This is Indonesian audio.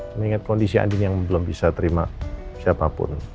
mengingat kondisi andin yang belum bisa terima siapapun